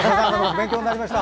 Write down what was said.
勉強になりました。